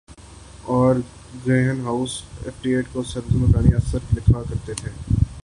اور greenhouse effect کو سبز مکانی اثر لکھا کرتے تھے